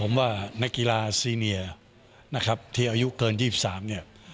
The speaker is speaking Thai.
ผมว่านักกีฬาซีเนียนะครับที่อายุเกิน๒๓เนี่ย